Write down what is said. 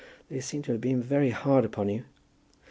They seem to have been very hard upon you."